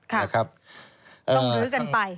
ลงทื้อกันไป